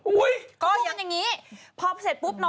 อุ๊ยปุ๊บ